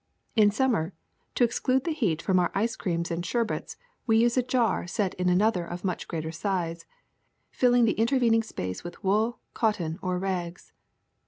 In summer, to exclude the heat from our ice creams and sherbets we use a jar set into another of much greater size, filling the intervening space with wool, cotton, or rags.